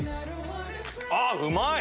あうまい！